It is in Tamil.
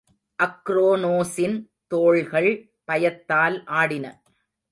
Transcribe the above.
அக்ரோனோசின் தோள்கள் பயத்தால் ஆடின.